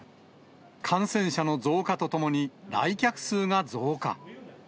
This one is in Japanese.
感染者の増加とともに、来客数が増加。